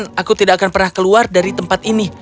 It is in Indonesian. dan aku tidak akan pernah keluar dari tempat ini